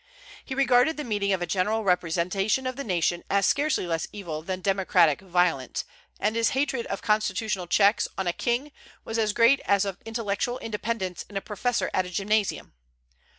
He regarded the meeting of a general representation of the nation as scarcely less evil than democratic violence, and his hatred of constitutional checks on a king was as great as of intellectual independence in a professor at a gymnasium.